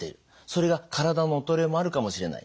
それが体の衰えもあるかもしれない。